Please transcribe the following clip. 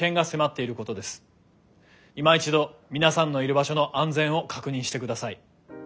いま一度皆さんのいる場所の安全を確認してください。